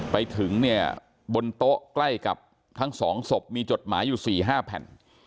ไปถึงเนี่ยบนโต๊ะใกล้กับทั้ง๒ศพมีจดหมายอยู่๔๕แผ่น